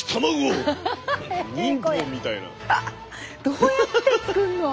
どうやって作んの？